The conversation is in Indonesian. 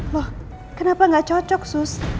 loh kenapa gak cocok sus